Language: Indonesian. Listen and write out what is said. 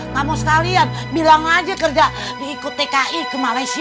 kamu sekalian bilang aja kerja ikut tki ke malaysia